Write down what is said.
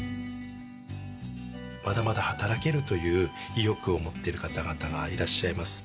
まだまだ働けるという意欲を持ってる方々がいらっしゃいます。